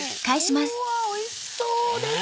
うわおいしそうです！